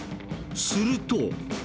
すると。